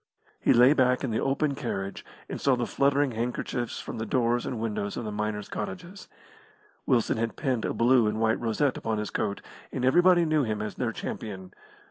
He lay back in the open carriage and saw the fluttering handkerchiefs from the doors and windows of the miners' cottages. Wilson had pinned a blue and white rosette upon his coat, and everybody knew him as their champion.